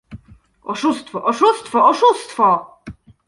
Oszustwo, oszustwo, oszustwo!